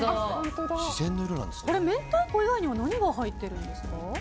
明太子以外には何が入っているんですか？